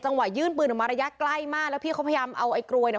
ยื่นปืนออกมาระยะใกล้มากแล้วพี่เขาพยายามเอาไอ้กรวยเนี่ย